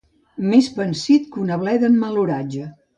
Més pansit que una bleda en mal oratge.